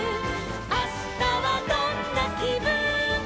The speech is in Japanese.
「あしたはどんなきぶんかな」